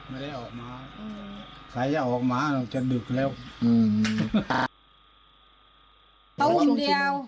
ไม่ได้ออกมาใครจะออกมาต้องจะดึกแล้ว